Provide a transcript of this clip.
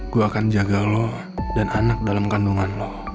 gue akan jaga lo dan anak dalam kandungan lo